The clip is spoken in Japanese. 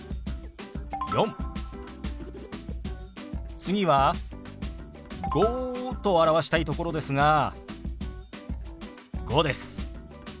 次は「５」と表したいところですが「５」です。